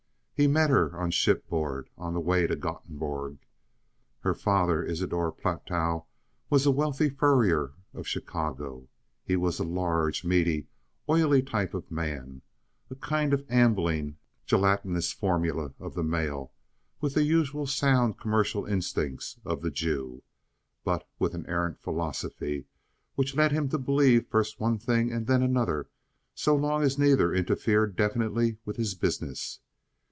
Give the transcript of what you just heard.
He met her on shipboard on the way to Goteborg. Her father, Isadore Platow, was a wealthy furrier of Chicago. He was a large, meaty, oily type of man—a kind of ambling, gelatinous formula of the male, with the usual sound commercial instincts of the Jew, but with an errant philosophy which led him to believe first one thing and then another so long as neither interfered definitely with his business.